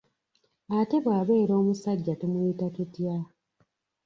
Ate bw'abeera omusajja tumuyita tutya?